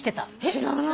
知らない。